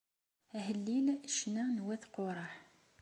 Ahellil, ccna n wat Quraḥ.